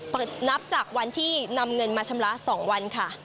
นับจากวันที่นำเงินมาชำระ๒วันค่ะ